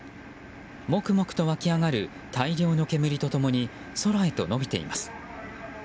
もくもくと湧き上がる大量の煙と共に空へと延びています。